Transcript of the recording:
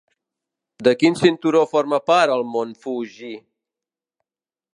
De quin cinturó forma part el mont Fuji?